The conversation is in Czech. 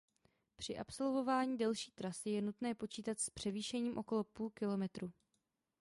Při absolvování delší trasy je nutné počítat s převýšením okolo půl kilometru.